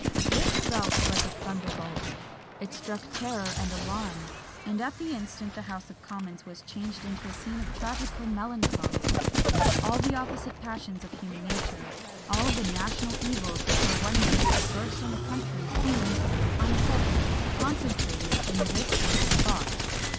This fell like a thunderbolt; it struck terror and alarm; and at the instant the House of Commons was changed into a scene of tragical melancholy! All the opposite passions of human nature all the national evils which were one day to burst on the country seemed, on a sudden, concentrated in this single spot!